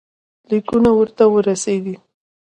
لیکونه ورته ورسیږي.